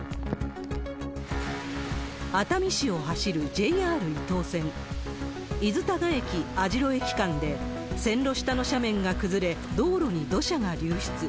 熱海市を走るＪＲ伊東線、伊豆多賀駅・網代駅間で、線路下の斜面が崩れ、道路に土砂が流出。